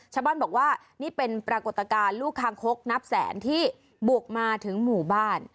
ชาวบ้านบอกว่านี่เป็นปรากฏการณ์ลูกคางคกนับแสนที่บวกมาถึงหมู่บ้าน